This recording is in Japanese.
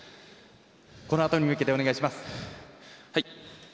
このあとに向けてお願いします。